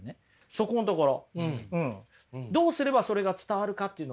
そこんところ。